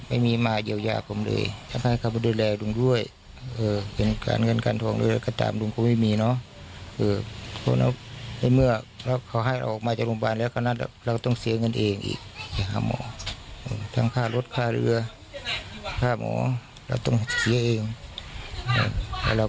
ไม่มีมาเยี่ยวยากผมเลยครับให้เขาด้วยแลกลุงด้วย